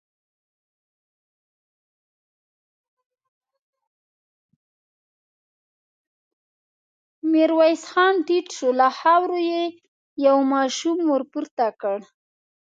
ميرويس خان ټيټ شو، له خاورو يې يو ماشوم ور پورته کړ.